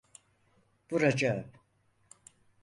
Vuracağım.